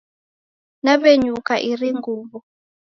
Nawenyuka iri nguwo